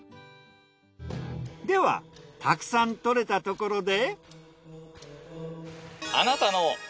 ではたくさん獲れたところで。